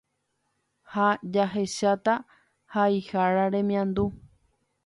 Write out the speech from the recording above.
ha jahecháta haihára remiandu.